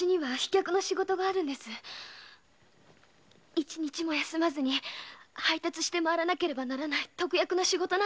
一日も休まずに配達しなければいけない特約の仕事なんです。